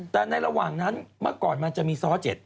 แต่ในระหว่างนั้นเมื่อก่อนมันจะมีซ้อ๗